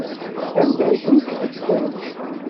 Anda ay ten-tbeddlem?